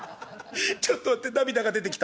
ちょっと待って涙が出てきた」。